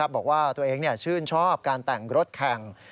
บอกว่าตัวเองชื่นชอบการแต่งรถแข่ง